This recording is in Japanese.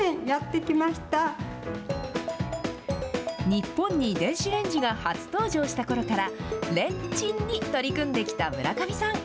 日本に電子レンジが初登場したころから、レンチンに取り組んできた村上さん。